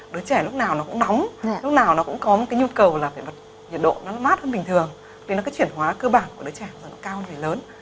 đứa trẻ lúc nào nó cũng nóng lúc nào nó cũng có cái nhu cầu là phải bật nhiệt độ nó mát hơn bình thường thì nó cái chuyển hóa cơ bản của đứa trẻ nó cao hơn về lớn